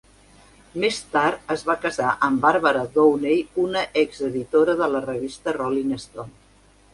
Més tard es va casar amb Barbara Downey, una exeditora de la revista 'Rolling Stone'.